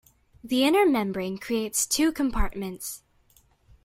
The inner membrane creates two compartments.